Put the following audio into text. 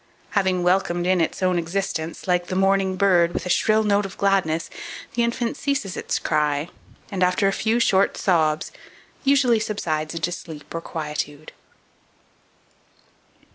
Having welcomed in its own existence, like the morning bird, with a shrill note of gladness, the infant ceases its cry, and, after a few short sobs, usually subsides into sleep or quietude.